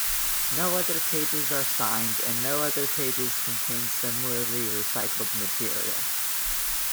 No other pages are signed and no other pages contain similarly recycled material.